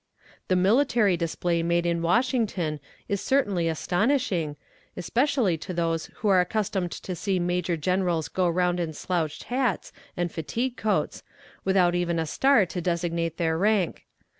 The military display made in Washington is certainly astonishing, especially to those who are accustomed to see major generals go round in slouched hats and fatigue coats, without even a star to designate their rank.